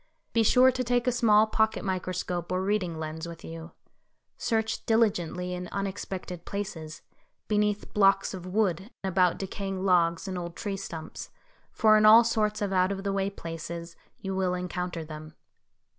Be sure to take a small pocket microscope or reading lens with you. Search diligently in unexpected places, beneath blocks of wood, about decaying logs and old tree stumps, for in all sorts of out of the way places you will encounter them.